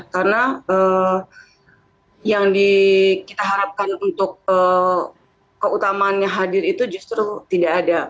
karena yang kita harapkan untuk keutamanya hadir itu justru tidak ada